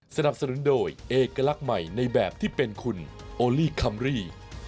สนับสนุนโดยเอกลักษณ์ใหม่ในแบบที่เป็นคุณโอลี่คัมรี่